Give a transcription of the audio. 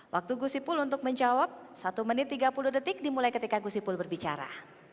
waktu gus ipul untuk menjawab satu menit tiga puluh detik dimulai ketika gus ipul berbicara